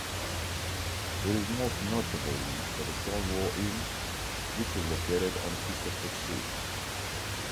It is most notable for the Stonewall Inn, which was located on Christopher Street.